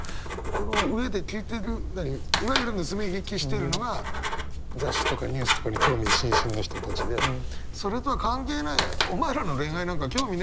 この上で聞いてるいわゆる盗み聞きしてるのが雑誌とかニュースとかに興味津々の人たちでそれとは関係ない「お前らの恋愛なんか興味ねえよ」って